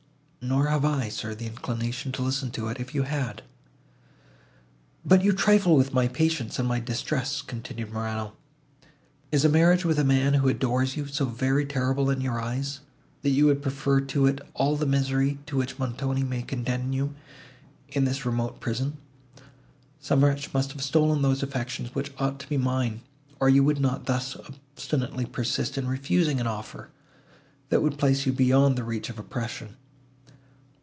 "Nor have I, sir, the inclination to listen to it, if you had." "But you trifle with my patience and my distress," continued Morano. "Is a marriage with a man, who adores you, so very terrible in your eyes, that you would prefer to it all the misery, to which Montoni may condemn you in this remote prison? Some wretch must have stolen those affections, which ought to be mine, or you would not thus obstinately persist in refusing an offer, that would place you beyond the reach of oppression."